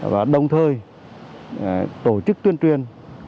và đồng thời tổ chức tuyên truyền